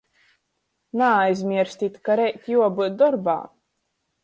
Naaizmierstit, ka reit juobyut dorbā.